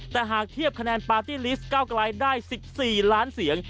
แต่หากเทียบคะแนนปาร์ตี้ลิสต์เก้าไกลได้๑๔ล้านเสียง